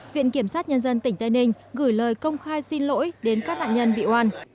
viện kiểm sát nhân dân tỉnh tây ninh gửi lời công khai xin lỗi đến các nạn nhân bị oan